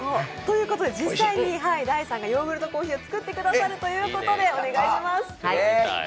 実際にダイさんがヨーグルトコーヒーを作ってくださるということで、お願いします。